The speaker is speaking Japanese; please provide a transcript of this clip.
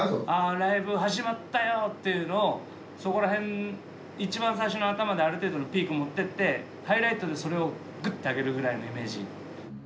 あライブ始まったよっていうのをそこら辺一番最初の頭である程度のピークに持ってって「ハイライト」でそれをグッて上げるぐらいのイメージ。